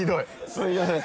すみません。